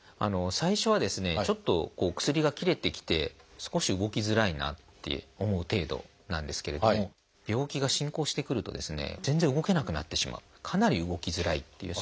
最初はですねちょっと薬が切れてきて少し動きづらいなって思う程度なんですけれども病気が進行してくるとですね全然動けなくなってしまうかなり動きづらいっていう。